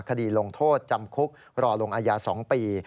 คดีลงโทษจำคุกรอลงอาญา๒ปี